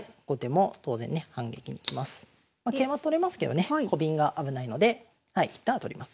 ま桂馬取れますけどねコビンが危ないので一旦は取ります。